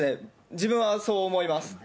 自分はそう思います。